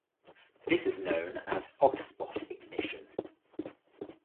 This is known as "hot spot ignition".